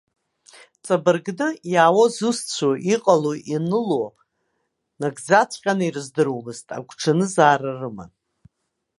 Ҵабыргны, иаауа зусҭцәоу, иҟало-иныло нагӡаҵәҟьан ирыздыруамызт, агәҽанызаара рыман.